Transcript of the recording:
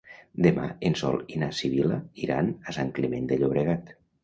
Demà en Sol i na Sibil·la iran a Sant Climent de Llobregat.